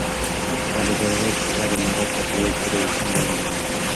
هغه د بادغيس څخه د مرغاب تر رود پورې سيمې ونيولې.